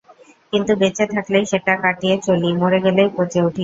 কিন্তু বেঁচে থাকলেই সেটা কাটিয়ে চলি, মরে গেলেই পচে উঠি।